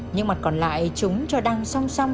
nhưng mặt còn lại chúng cho đăng song song